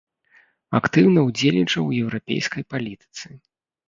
Актыўна ўдзельнічаў у еўрапейскай палітыцы.